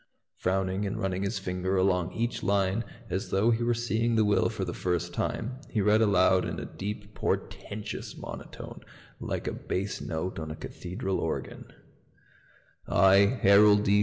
Frowning and running his finger along each line, as though he were seeing the will for the first time, he read aloud in a deep portentous monotone, like a bass note on a cathedral organ. "I, Harold D.